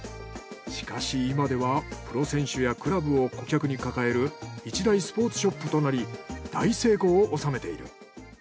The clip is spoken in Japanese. しかし今ではプロ選手やクラブを顧客に抱える一大スポーツショップとなり大成功を収めている。